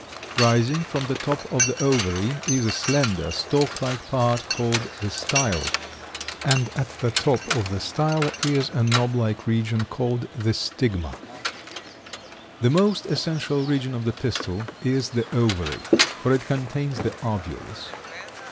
Rising from the top of the ovary is a slender, stalk like part called the style; and at the top of the style is a knob like region called the stigma. The most essential region of the pistil is the ovary, for it contains the ovules.